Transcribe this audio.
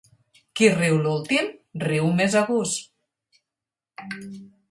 Qui riu l'últim riu més a gust.